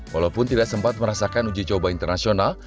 walaupun tidak sempat merasakan uji coba internasional